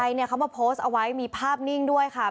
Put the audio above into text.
เนี่ยเขามาโพสต์เอาไว้มีภาพนิ่งด้วยค่ะ